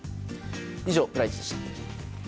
以上、プライチでした。